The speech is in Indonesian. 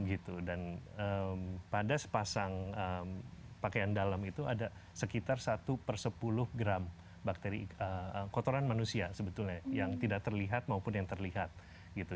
gitu dan pada sepasang pakaian dalam itu ada sekitar satu per sepuluh gram bakteri kotoran manusia sebetulnya yang tidak terlihat maupun yang terlihat gitu